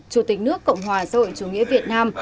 chủ tịch nước cộng hòa xã hội chủ nghĩa việt nam